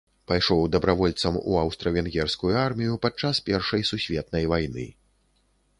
Пайшоў дабравольцам у аўстра-венгерскую армію падчас першай сусветнай вайны.